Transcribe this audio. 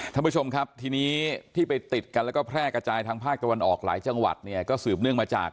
ท่านผู้ชมครับทีนี้ที่ไปติดกันแล้วก็แพร่กระจายทางภาคตะวันออกหลายจังหวัดเนี่ยก็สืบเนื่องมาจาก